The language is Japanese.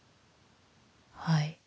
はい。